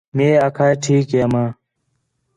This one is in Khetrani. مئے آکھا ہِے ٹھیک ہے اماں